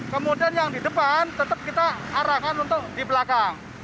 kemudian yang di depan tetap kita arahkan untuk di belakang